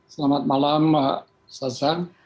selamat malam pak hasan